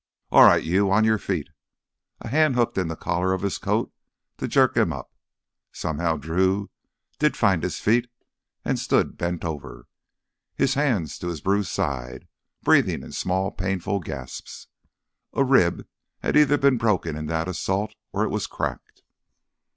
"All right, you—on your feet!" A hand hooked in the collar of his coat to jerk him up. Somehow Drew did find his feet and stood bent over, his hands to his bruised side, breathing in small painful gasps. A rib had either been broken in that assault, or it was cracked.